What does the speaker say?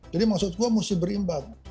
jadi maksud gue mesti berimbang